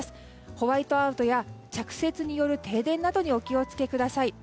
ホワイトアウトや着雪による停電などにお気を付けください。